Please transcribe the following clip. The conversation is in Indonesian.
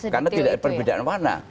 karena tidak ada perbedaan warna